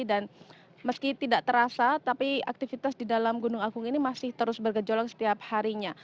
dan meski tidak terasa tapi aktivitas di dalam gunung agung ini masih terus bergejolak setiap harinya